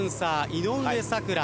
井上咲楽。